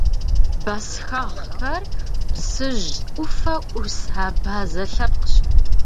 Бэсхэгъхэр Псыжь ӏуфэ ӏус абазэ лъэпкъщ.